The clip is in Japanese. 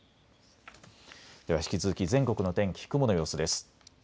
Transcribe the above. では引き続き全国の天気、雲の様子です。